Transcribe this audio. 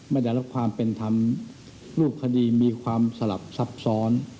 ไม่ได้รับความเป็นธรรมรูปคดีมีความสลับซับซ้อน